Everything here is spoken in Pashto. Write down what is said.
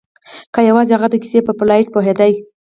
که یوازې هغه د کیسې په پلاټ پوهیدای